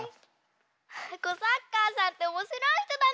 コサッカーさんっておもしろいひとだね！